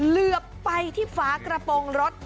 เหลือไปที่ฝากระโปรงรถ